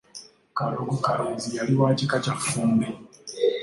Kalogokalenzi yali wa kika kya Ffumbe.